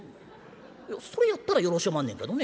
それやったらよろしおまんねんけどね。